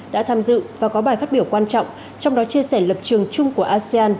đã tham dự và có bài phát biểu quan trọng trong đó chia sẻ lập trường chung của asean